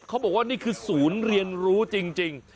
เขาบอกว่านี่คือศูนย์เรียนรู้จริง